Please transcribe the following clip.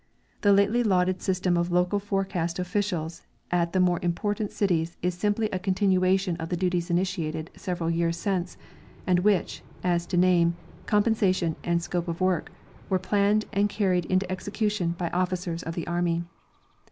The lately lauded system of local forecast officials at the more important cities is simjDly a continuation of duties initiated several years since, and which, as to name, compensation and scope of work, were planned and carried into execution by officers of the army.